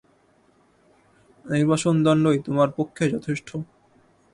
নির্বাসনদণ্ডই তোমার পক্ষে যথেষ্ট।